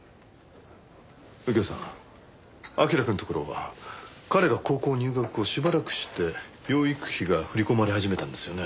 右京さん彬くんのところは彼が高校入学後しばらくして養育費が振り込まれ始めたんですよね？